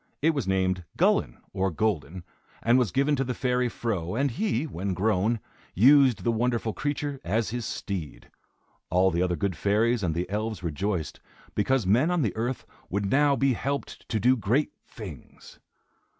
It was named Gullin, or Golden, and was given to the fairy Fro, and he, when grown, used the wonderful creature as his steed. All the other good fairies and the elves rejoiced, because men on the earth would now be helped to do great things.